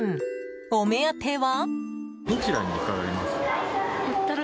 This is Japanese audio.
お目当ては。